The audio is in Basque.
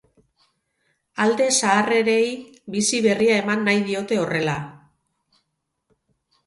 Alde zaharrarei bizi berria eman nahi diote horrela.